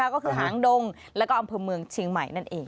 ก็คือหางดงแล้วก็อำเภอเมืองเชียงใหม่นั่นเอง